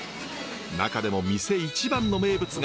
中でも店一番の名物が。